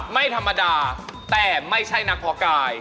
ไม่ธรรมดาแต่ไม่ใช่นักเพาะกาย